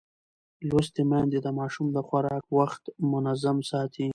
لوستې میندې د ماشوم د خوراک وخت منظم ساتي.